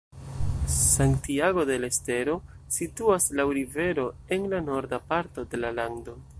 Santiago del Estero situas laŭ rivero en la norda parto de la lando.